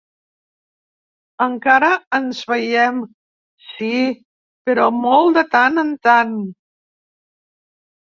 Encara ens veiem, sí, però molt de tant en tant!